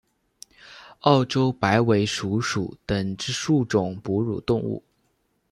澳洲白尾鼠属等之数种哺乳动物。